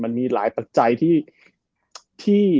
มันมีหลายปัจจัยที่